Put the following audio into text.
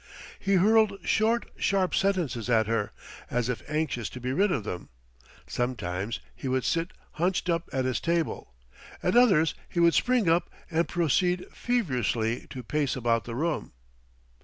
He hurled short, sharp sentences at her, as if anxious to be rid of them. Sometimes he would sit hunched up at his table, at others he would spring up and proceed feverishly to pace about the room.